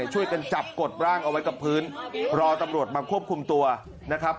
ช่วยกันจับกดร่างเอาไว้กับพื้นรอตำรวจมาควบคุมตัวนะครับ